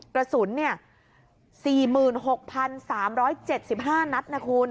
กระสุน๔๖๓๗๕นัดนะคุณ